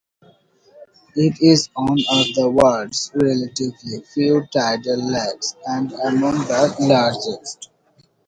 It is one of the world's relatively few tidal lakes, and among the largest.